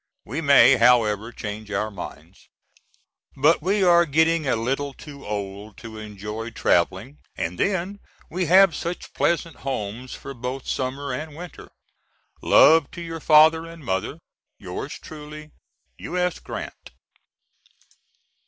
We may, however, change our minds. But we are getting a little too old to enjoy travelling, and then we have such pleasant homes for both summer and winter. Love to your father and mother. Yours truly, U.S. GRANT.